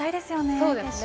そうですね。